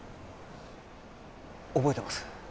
覚えてます